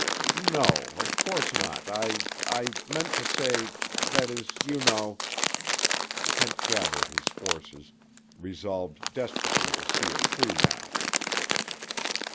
"No. Of course not. I—I—meant to say—that is you know—" Kent gathered his forces, resolved desperately to see it through, now.